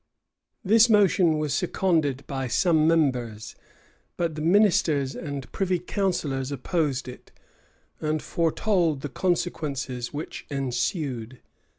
This motion was seconded by some members; but the ministers and privy counsellors opposed it, and foretold the consequences which ensued.